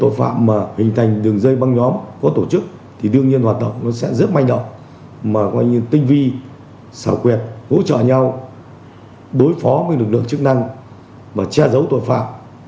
tội phạm mà hình thành đường dây ban ngũ nhóm có tổ chức thì đương nhiên hoạt động nó sẽ rất manh động mà tinh vi sảo quyệt hỗ trợ nhau đối phó với lực lượng chức năng và che giấu tội phạm